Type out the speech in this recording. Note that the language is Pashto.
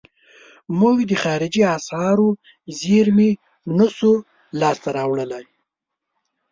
موږ د خارجي اسعارو زیرمې نشو لاس ته راوړلای.